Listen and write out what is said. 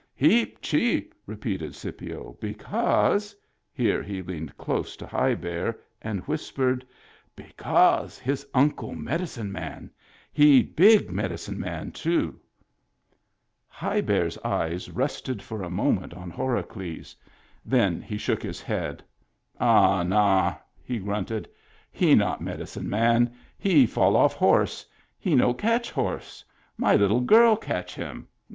"Heap cheap," repeated Scipio, "because" (here he leaned close to High Bear and whis pered) "because his uncle medicine man. He big medicine man, too." Digitized by VjOOQIC 54 MEMBERS OF THE FAMILY High Bear's eyes rested for a moment on Horacles. Then he shook his head. "Ah, nah," he grunted. " He not medicine man. He fall off horse. He no catch horse. My little girl catch him.